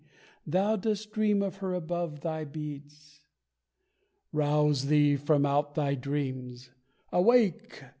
thou dost dream of her above thy beads. "Rouse thee from out thy dreams! Awake!